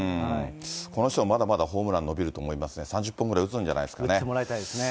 この人もまだまだホームラン伸びると思いますね、３０本ぐら打ってもらいたいですね。